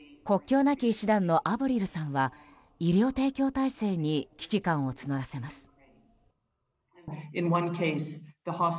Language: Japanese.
国境なき医師団のアブリルさんは医療提供体制に危機感を募らせます。